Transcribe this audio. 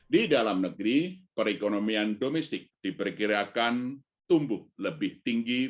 di dalam negeri perekonomian domestik diperkirakan tumbuh lebih tinggi